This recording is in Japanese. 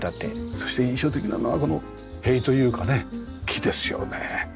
そして印象的なのはこの塀というかね木ですよね。